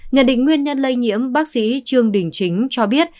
nhận định nguyên nhân lây nhiễm bác sĩ trương đình chính cho biết